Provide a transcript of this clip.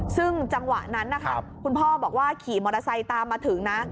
ซึ่งจังหวะนั้นนะคะคุณพ่อบอกว่าขี่มอเตอร์ไซค์ตามมาถึงนะ